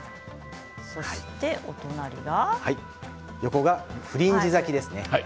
そして横がフリンジ咲きです。